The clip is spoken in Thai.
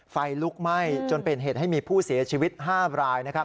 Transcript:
ไฟลุกไหม้จนเป็นเหตุให้มีผู้เสียชีวิต๕ราย